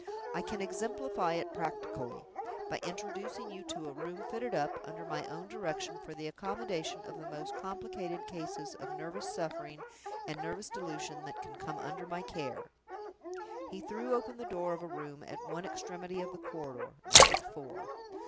I can exemplify it practically, by introducing you to a room fitted up, under my own direction, for the accommodation of the most complicated cases of nervous suffering and nervous delusion that can come under my care." He threw open the door of a room at one extremity of the corridor, numbered Four.